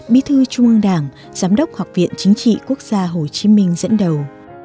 bí thư trung ương đảng giám đốc học viện chính trị quốc gia hồ chí minh dẫn đầu